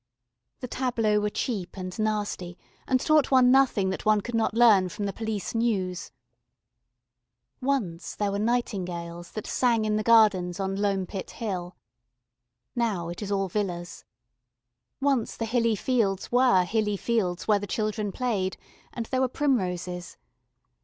The tableaux were cheap and nasty, and taught one nothing that one could not learn from the Police News. Once there were nightingales that sang in the gardens on Loampit Hill. Now it is all villas. Once the Hilly Fields were hilly fields where the children played, and there were primroses.